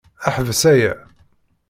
Ḥbes aya!